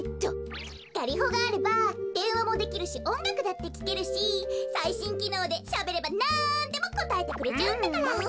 ガリホがあればでんわもできるしおんがくだってきけるしさいしんきのうでしゃべればなんでもこたえてくれちゃうんだから！